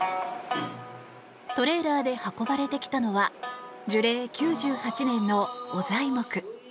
トレーラーで運ばれてきたのは樹齢９８年の御材木。